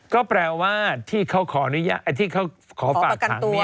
ก็แปลว่าที่เขาขอประกันตัว